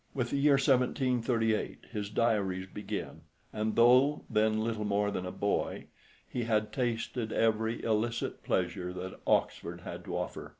With the year 1738 his diaries begin, and though then little more than a boy, he had tasted every illicit pleasure that Oxford had to offer.